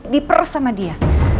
diperes sama dia